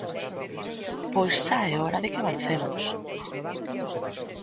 Pois xa é hora de que avancemos.